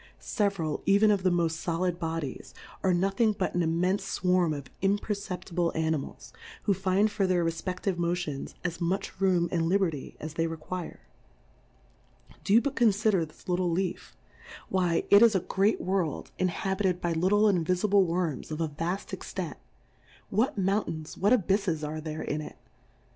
Several, even of the moft folid Bodies, are nothing but an immenfe fwarm of im perceptible Animals, who find for their refpeftive Motions as much room and li berty as they require. Do but confider this little Leaf p why, it is a great V/orld, inhabited Plurality ^/WORLDS, py inhabited by little invifible Worms, of a vaft extent, what Mountains, what Abyflesare there in it?